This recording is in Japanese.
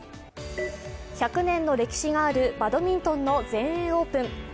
１００年の歴史があるバドミントンの全英オープン。